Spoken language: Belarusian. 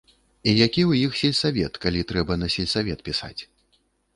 І які ў іх сельсавет, калі трэба на сельсавет пісаць.